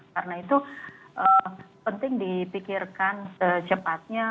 karena itu penting dipikirkan secepatnya